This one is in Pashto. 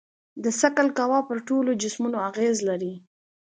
د ثقل قوه پر ټولو جسمونو اغېز لري.